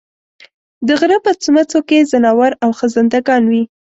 د غرۀ په څمڅو کې ځناور او خزندګان وي